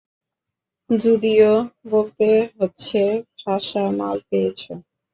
যদিও বলতে হচ্ছে, খাসা মাল পেয়েছ।